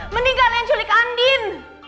mending kalian culik andin